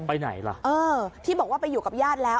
ไปไหนล่ะเออที่บอกว่าไปอยู่กับญาติแล้ว